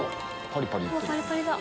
パリパリだ！